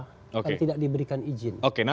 karena tidak diberikan izin